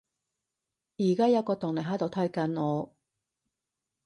而家有個動力喺度推緊我